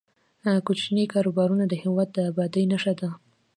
کوچني کاروبارونه د هیواد د ابادۍ نښه ده.